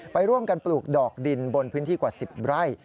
ไปร่วมกันปลูกดอกดินบนพื้นที่กว่า๑๐ไร่